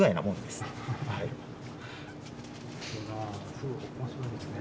すごい面白いですね。